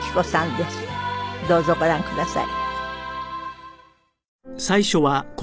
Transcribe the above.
どうぞご覧ください。